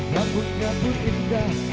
lampunya pun indah